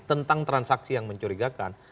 tentang transaksi yang mencurigakan